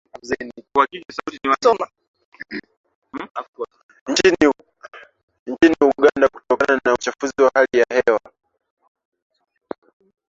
nchini Uganda kutokana na uchafuzi wa hali ya hewa